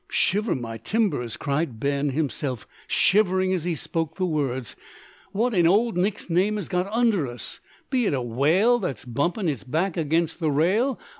"Shiver my timbers!" cried Ben, himself shivering as he spoke the words, "what in old Nick's name has got under us? Be it a whale that's bumpin' its back against the rail?